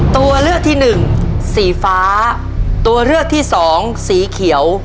ตัวเลือกที่หนึ่งสีฟ้าตัวเลือกที่สองสีเขียว